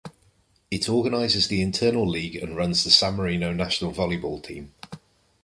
It organizes the internal league and runs the San Marino national volleyball team.